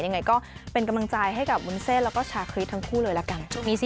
ยังไงก็เป็นกำลังใจให้กับวุ้นเส้นแล้วก็ชาคริสทั้งคู่เลยละกัน